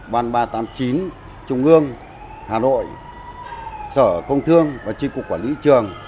ban ba trăm tám mươi chín trung ương hà nội sở công thương và tri cục quản lý trường